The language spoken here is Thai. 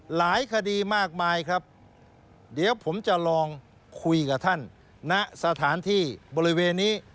หลายคดีมากมายครับเดี๋ยวผมจะลองคุยกับท่านณสถานที่บริเวณนี้